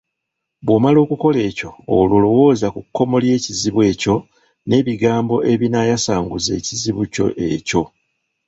Bw’omala okukola ekyo olwo lowooza ku kkomo ly’ekizibu ekyo n’ebigambo ebinaayasanguza ekizibu kyo ekyo.